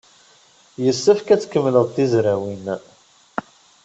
Yessefk ad tkemmled tizrawin.